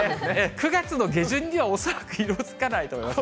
９月の下旬には、恐らく色づかないと思います。